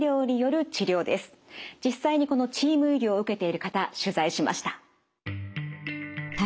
実際にこのチーム医療を受けている方取材しました。